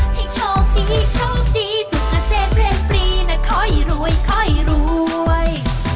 ให้โชคดีโชคดีสุดเกษตรเพลงปรีนะค่อยรวยค่อยรวย